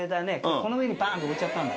この上にバーンって置いちゃったんだ。